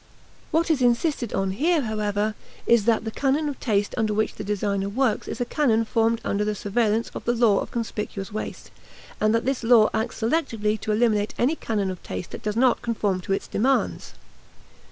What is insisted on here, however, is that the canon of taste under which the designer works is a canon formed under the surveillance of the law of conspicuous waste, and that this law acts selectively to eliminate any canon of taste that does not conform to its demands.